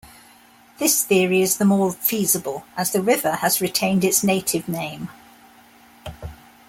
This theory is the more feasible as the river has retained its native name.